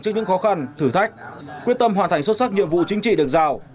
trước những khó khăn thử thách quyết tâm hoàn thành xuất sắc nhiệm vụ chính trị được giao